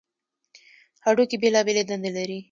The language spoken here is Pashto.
هډوکي بېلابېلې دندې لري.